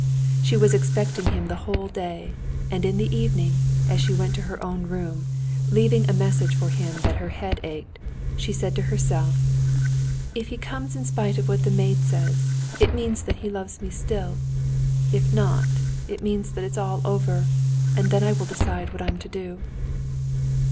She was expecting him the whole day, and in the evening, as she went to her own room, leaving a message for him that her head ached, she said to herself, "If he comes in spite of what the maid says, it means that he loves me still. If not, it means that all is over, and then I will decide what I'm to do!..."